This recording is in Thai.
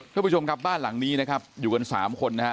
ทุกผู้ชมครับบ้านหลังนี้นะครับอยู่กันสามคนนะฮะ